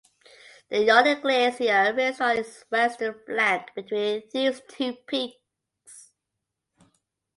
The Yawning Glacier rests on its western flank between these two peaks.